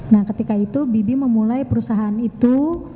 nah ketika itu bibi memulai perusahaan itu